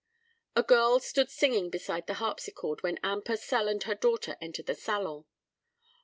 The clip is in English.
A girl stood singing beside the harpsichord when Anne Purcell and her daughter entered the salon.